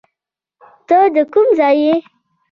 ته ده کوم ځای یې